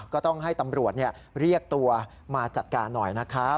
ก็ต้องให้ตำรวจเรียกตัวมาจัดการหน่อยนะครับ